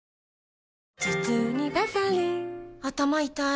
頭痛にバファリン頭痛い